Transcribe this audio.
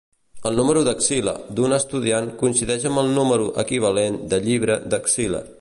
El número Lexile d'un estudiant coincideix amb el número equivalent de llibre Lexile.